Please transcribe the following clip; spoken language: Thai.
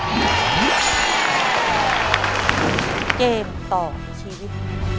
เกมต่อชีวิต